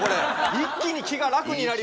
一気に気が楽になりました。